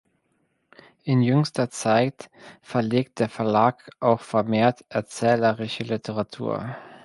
In jüngster Zeit verlegt der Verlag auch vermehrt erzählerische Literatur.